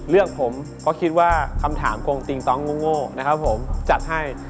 เลือกผมเพราะคิดว่าคำถามโกงติงต้องโง่นะครับผมจัดให้